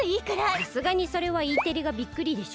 さすがにそれはＥテレがびっくりでしょ。